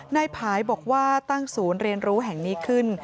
นายผายบอกว่าตั้งศูนย์เรียนรู้แห่งนี้ขึ้น